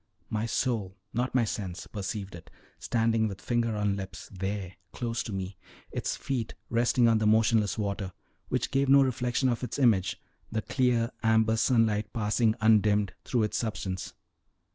My soul, not my sense, perceived it, standing with finger on lips, there, close to me; its feet resting on the motionless water, which gave no reflection of its image, the clear amber sunlight passing undimmed through its substance.